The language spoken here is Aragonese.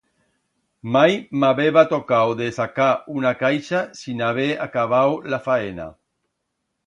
Mai m'habeba tocau de sacar una caixa sin haber acabau la faena.